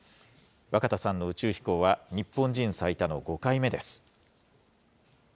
若田さんの宇宙飛行は日本人最多の５回目です。